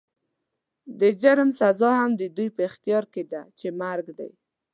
د جرم سزا هم د دوی په اختيار کې ده چې مرګ دی.